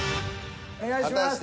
お願いします。